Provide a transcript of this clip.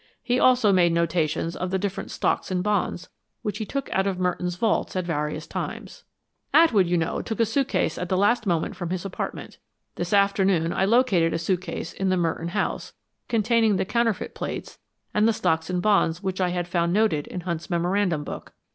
He also made notations of the different stocks and bonds which he took out of Merton's vaults at various times." "Atwood, you know, took a suitcase at the last moment from his apartment. This afternoon I located a suitcase in the Merton house, containing the counterfeit plates, and the stocks and bonds which I had found noted in Hunt's memorandum book.